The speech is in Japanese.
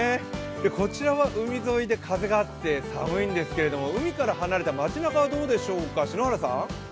こちらは海沿いで風があって寒いんですけども、海から離れた街なかはどうでしょうか。